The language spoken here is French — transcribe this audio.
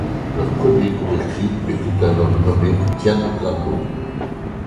Leur premier converti était un homme nommé Tian Sando.